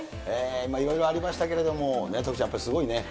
いろいろありましたけれども、徳ちゃん、やっぱりすごいね。